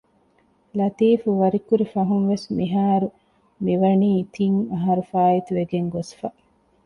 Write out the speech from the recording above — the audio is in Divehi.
ލަތީފްވަރިކުރި ފަހުންވެސް މިހާރު މިވަނީ ތިން އަހަރު ފާއިތުވެގެން ގޮސްފަ